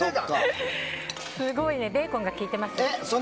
すごいベーコンが利いてますよ。